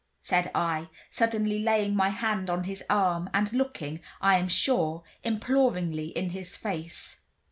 said I, suddenly laying my hand on his arm, and looking, I am sure, imploringly in his face.